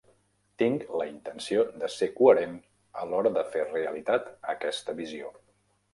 Tinc la intenció de ser coherent a l'hora de fer realitat aquesta visió.